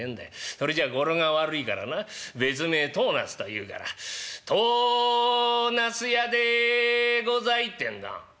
それじゃ語呂が悪いからな別名『とうなす』というから『となすやでござい』ってんだ」。